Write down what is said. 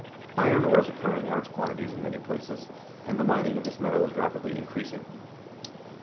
Iron ores occur in large quantities in many places, and the mining of this metal is rapidly increasing.